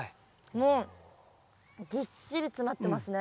もうぎっしり詰まってますね。